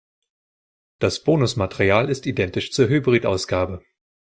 Das Bonusmaterial ist identisch zur Hybrid-Ausgabe.